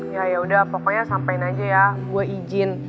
ya yaudah pokoknya sampein aja ya gue izin